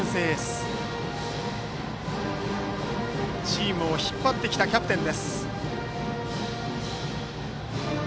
バッターはチームを引っ張ってきたキャプテン。